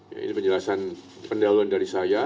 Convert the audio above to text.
ya ini penjelasan pendahuluan dari saya